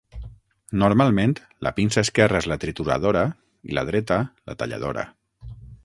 Normalment, la pinça esquerra és la trituradora i la dreta, la talladora.